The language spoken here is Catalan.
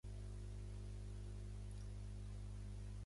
Avui en dia coneguda com a àlgebra de Hall.